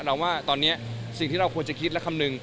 เราว่าตอนนี้สิ่งที่เราควรจะคิดและคำนึง